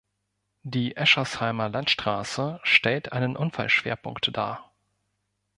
Die Eschersheimer Landstraße stellt einen Unfallschwerpunkt dar.